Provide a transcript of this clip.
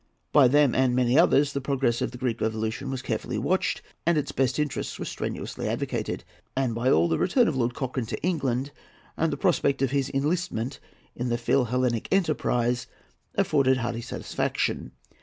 By them and many others the progress of the Greek Revolution was carefully watched and its best interests were strenuously advocated, and by all the return of Lord Cochrane to England and the prospect of his enlistment in the Philhellenic enterprise afforded hearty satisfaction.